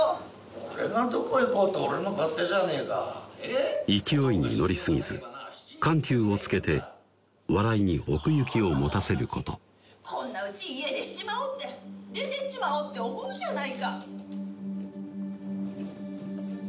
「俺がどこ行こうと俺の勝手じゃねえかえぇ⁉」勢いに乗り過ぎず緩急をつけて笑いに奥行きを持たせること「こんな家家出しちまおうって出て行っちまおうって思うじゃないか」